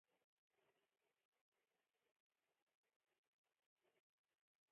今年所有的活动都结束啦